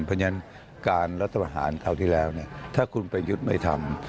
เพราะฉะนั้นการรัฐมหาญเท่าที่แล้วถ้าคุณไปยุทธไม่ทำ